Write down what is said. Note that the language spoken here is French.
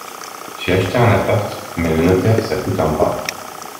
J'ai acheté un appart, mais le notaire ça coûte un bras.